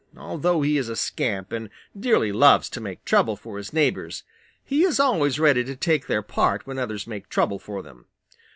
Although he is a scamp and dearly loves to make trouble for his neighbors, he is always ready to take their part when others make trouble for them.